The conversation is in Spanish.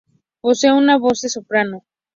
Posee una voz de soprano.